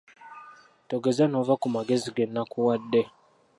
Togeza n'ova ku magezi ge nakuwadde.